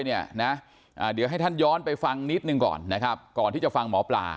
เดี๋ยวให้ท่านย้อนไปฟังนิดหนึ่งก่อนนะครับก่อนที่จะฟังหมอปลา